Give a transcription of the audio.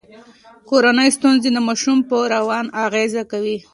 کورنۍ ستونزې د ماشوم په روان اغیز کوي.